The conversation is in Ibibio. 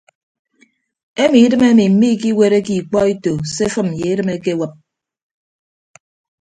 Emi idịm emi miikiwereke ikpọ eto se afịm ye edịm ekewịp.